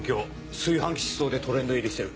「炊飯器失踪」でトレンド入りしてる。